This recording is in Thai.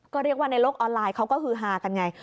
ก็เรียกว่าในโลกออนไลน์เขาก็ฮือฮากันไง